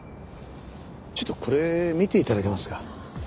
ちょっとこれ見て頂けますか？